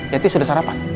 yati sudah sarapan